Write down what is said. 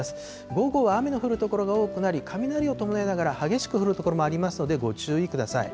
午後は雨の降る所が多くなり、雷を伴いながら激しく降る所もありますので、ご注意ください。